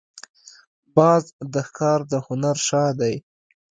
باز د ښکار د هنر شاه دی